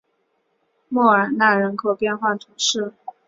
莫尔纳人口变化图示